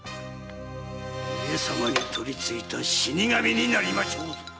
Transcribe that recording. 上様に取り憑いた死神になりましょうぞ！